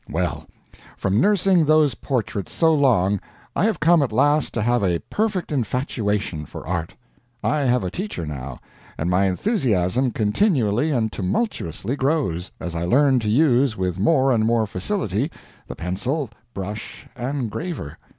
Well, from nursing those portraits so long, I have come at last to have a perfect infatuation for art. I have a teacher now, and my enthusiasm continually and tumultuously grows, as I learn to use with more and more facility the pencil, brush, and graver.